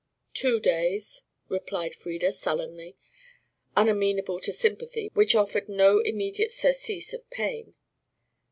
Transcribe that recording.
"Two days," replied Frieda sullenly, unamenable to sympathy which offered no immediate surcease of pain.